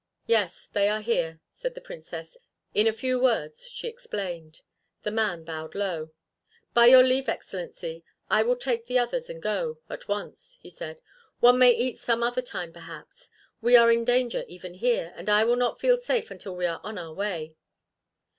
"Yes, they are here," said the Princess. In a few words she explained. The man bowed low. "By your leave, Excellency, I will take the others and go at once," he said. "One may eat some other time perhaps. We are in danger even here, and I will not feel safe until we are on our way."